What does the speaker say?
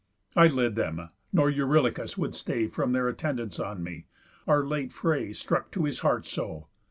I led them; nor Eurylochus would stay From their attendance on me, our late fray Struck to his heart so.